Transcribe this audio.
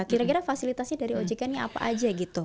kira kira fasilitasnya dari ojk ini apa aja gitu